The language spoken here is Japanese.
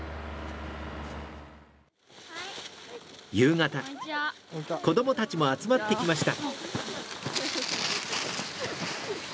夕方子供たちも集まってきました。